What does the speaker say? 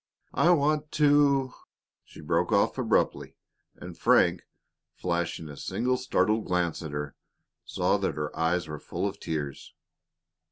"I want to " She broke off abruptly, and Frank, flashing a single startled glance at her, saw that her eyes were full of tears.